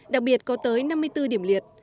đặc biệt có tới năm mươi bốn điểm liệt